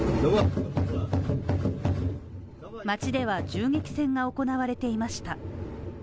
街では、銃撃戦が行われていました。